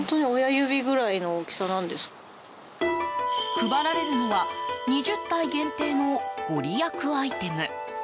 配られるのは２０体限定のご利益アイテム。